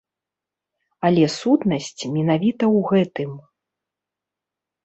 Але сутнасць менавіта ў гэтым.